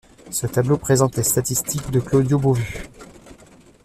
Ce tableau présente les statistiques de Claudio Beauvue.